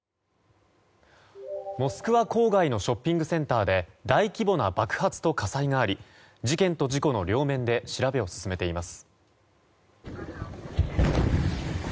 モスクワ郊外のショッピングセンターで大規模な爆発と火災があり事件と事故の両面で調べを進めています。